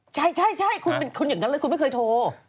ใช่คุณเป็นคนอย่างนั้นเลยคุณไม่เคยโทร